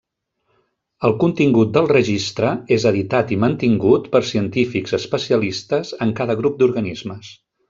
El contingut del registre és editat i mantingut per científics especialistes en cada grup d'organismes.